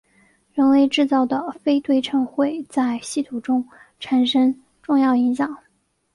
人为制造的非对称会在系统中产生重要影响。